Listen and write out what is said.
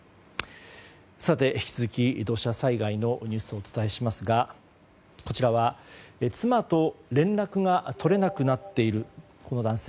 さて、引き続き土砂災害のニュースをお伝えしますがこちらは妻と連絡が取れなくなっている男性。